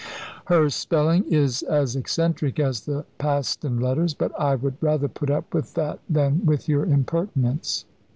"Her spelling is as eccentric as the Paston letters; but I would rather put up with that than with your impertinence."